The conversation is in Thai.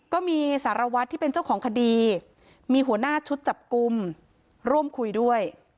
ก็มีสารวัตรที่เป็นเจ้าของคดีมีหัวหน้าชุดจับกลุ่มร่วมคุยด้วย